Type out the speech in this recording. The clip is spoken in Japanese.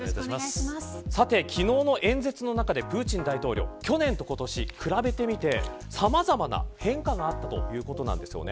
昨日の演説の中でプーチン大統領、去年と今年比べてみて、さまざまな変化があったということですよね。